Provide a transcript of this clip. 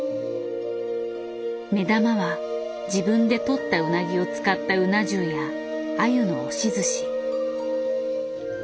目玉は自分で取ったうなぎを使ったうな重やアユの押しずし。